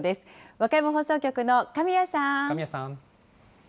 和歌山放送局の神谷さん。